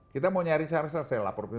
kita mau nyari cara saya laporan